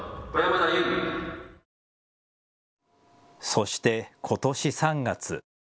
そして、ことし３月。